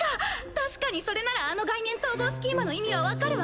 確かにそれならあの概念統合スキーマの意味は分かるわ。